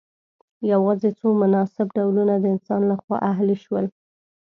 یوازې څو مناسب ډولونه د انسان لخوا اهلي شول.